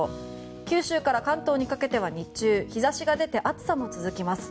九州から関東にかけては日中、日差しが出て暑さも続きます。